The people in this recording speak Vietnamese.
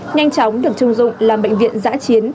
nhanh chóng được chưng dụng làm bệnh viện giã chiến